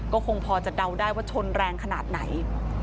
ก็คงพอจะเดาได้ว่าชนแรงขนาดไหน